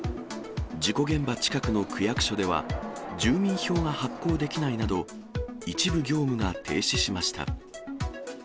事故現場近くの区役所では、住民票が発行できないなど、一部業務が停止しました。